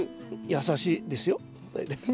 「優しいですよ」。